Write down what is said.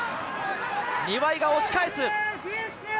庭井が押し返す。